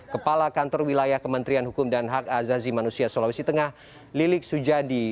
kepala kantor wilayah kementerian hukum dan hak azazi manusia sulawesi tengah lilik sujadi